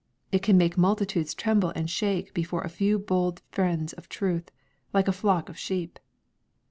It can make multitudes tremble and shake before a few bold friends of truths like a flock of sheep.